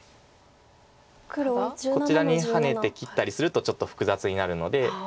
こちらにハネて切ったりするとちょっと複雑になるので。